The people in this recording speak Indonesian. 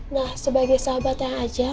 nah sebagai sahabat yang ajaan